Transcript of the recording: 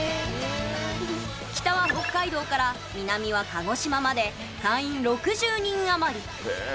北は北海道から南は鹿児島まで会員６０人余り。